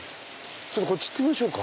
こっち行ってみましょうか。